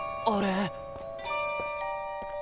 あれ。